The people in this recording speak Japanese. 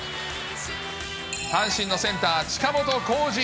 阪神のセンター、近本光司。